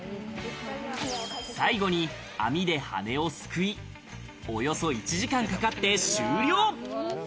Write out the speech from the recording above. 最後に網で羽をすくい、およそ１時間かかって終了。